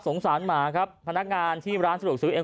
สงสารหมาครับพนักงานที่ร้านสะดวกซื้อเอง